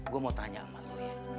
gua mau tanya sama lu ya